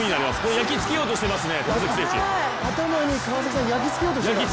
焼き付けようとしてますね。